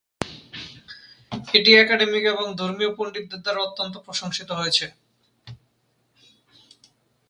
এটি একাডেমিক এবং ধর্মীয় পণ্ডিতদের দ্বারা অত্যন্ত প্রশংসিত হয়েছে।